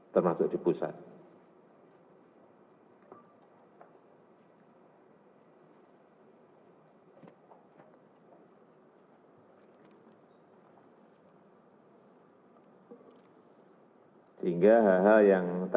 termasuk di pusat